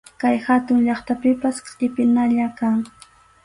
Kay hatun llaqtapipas qʼipinalla kan.